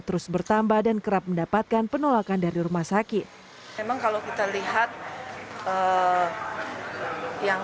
terus bertambah dan kerap mendapatkan penolakan dari rumah sakit memang kalau kita lihat yang